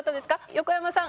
横山さん。